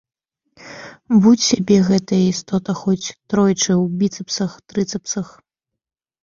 Будзь сабе гэтая істота хоць тройчы ў біцэпсах-трыцэпсах.